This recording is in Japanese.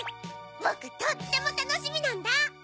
ボクとってもたのしみなんだ！